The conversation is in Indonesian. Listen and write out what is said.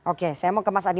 oke saya mau ke mas adi